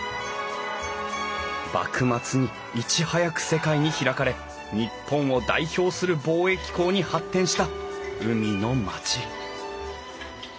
幕末にいち早く世界に開かれ日本を代表する貿易港に発展した海の町。